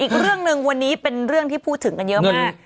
อีกเรื่องหนึ่งวันนี้เป็นเรื่องที่พูดถึงกันเยอะมาก